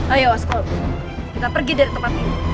ayo osco kita pergi dari tempat ini